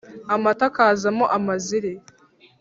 amata akazamo amaziri